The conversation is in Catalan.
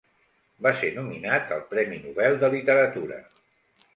Va ser nominat al Premi Nobel de Literatura.